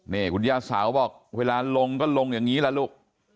นี่คุณย่าสาวบอกเวลาลงก็ลงอย่างนี้ล่ะลูก